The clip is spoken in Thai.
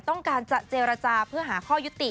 ต้องการจะเจรจาเพื่อหาข้อยุติ